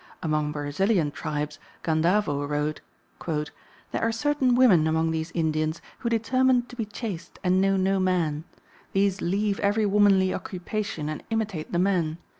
Among Brazilian tribes Gandavo wrote: "There are certain women among these Indians who determine to be chaste and know no man. These leave every womanly occupation and imitate the men.